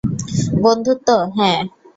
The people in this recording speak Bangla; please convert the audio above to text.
বন্ধুত্ব, হ্যাঁ।